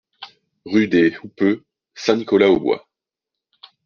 Rue des Houppeux, Saint-Nicolas-aux-Bois